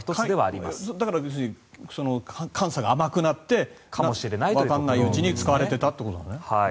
要するに監査が甘くなってわからないうちに使われていたってことだね。